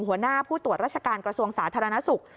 หัวหน้าผู้ตรวจราชการกระทรวงสาธารณสุข